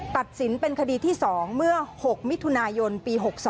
ตัดสินเป็นคดีที่๒เมื่อ๖มิถุนายนปี๖๒